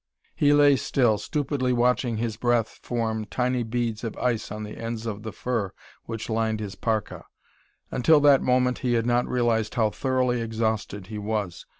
He lay still, stupidly watching his breath form tiny beads of ice on the ends of the fur which lined his parka. Until that moment he had not realized how thoroughly exhausted he was.